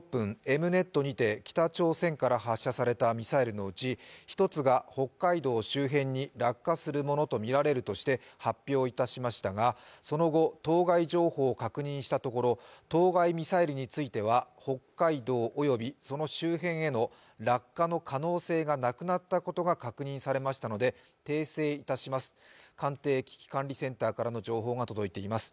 Ｍネットにて北朝鮮から発射されたミサイルのうち１つが北海道周辺に落下するものとみられるとして発表されましたがその後、当該情報を確認したところ当該ミサイルについては北海道及びその周辺への落下の可能性がなくなったことが確認されましたので訂正いたします、官邸危機管理センターからの情報が届いています。